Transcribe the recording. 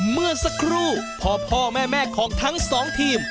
เมื่อสักครู่พ่อแม่ของทั้งสองทีม